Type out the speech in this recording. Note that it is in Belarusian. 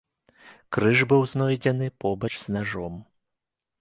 Крыж быў знойдзены побач з нажом.